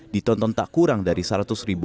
ditonton tak kurang dari seorang pemeran